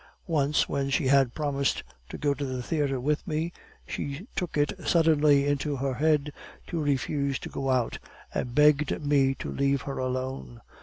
"Once, when she had promised to go to the theatre with me, she took it suddenly into her head to refuse to go out, and begged me to leave her alone.